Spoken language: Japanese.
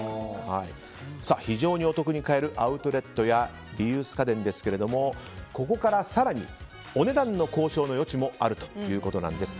非常にお得に変えるアウトレットやリユース家電ですがここから更にお値段の交渉の余地もあるということなんです。